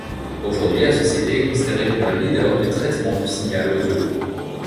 Aujourd’hui, la société est considérée comme un leader du traitement du signal audio.